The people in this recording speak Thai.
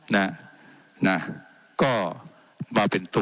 ว่าการกระทรวงบาทไทยนะครับ